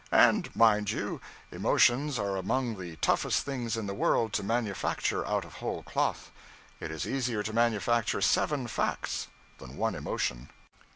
And, mind you, emotions are among the toughest things in the world to manufacture out of whole cloth; it is easier to manufacture seven facts than one emotion.